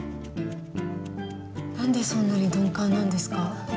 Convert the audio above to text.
何でそんなに鈍感なんですか？